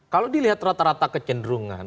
kalau dilihat rata rata kecenderungan